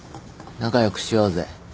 仲良くしようぜ。